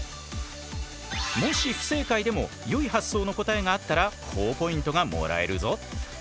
もし不正解でもよい発想の答えがあったらほぉポイントがもらえるぞ。